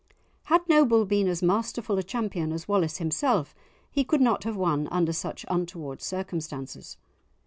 Had Noble been as masterful a champion as Wallace himself, he could not have won under such untoward circumstances.